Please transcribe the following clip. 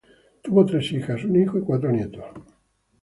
Tuvo tres hijas, un hijo, y cuatro nietos.